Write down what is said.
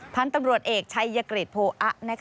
พันธุ์ตำรวจเอกชัยกฤษโพอะ